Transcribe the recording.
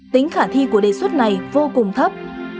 tính khả thi của đề xuất này vô cùng thấp